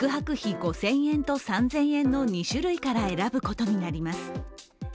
５０００円と３０００円の２種類から選ぶことになります。